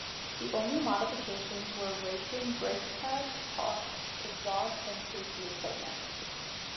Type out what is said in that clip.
The only modifications were racing brake pads, exhaust, and safety equipment.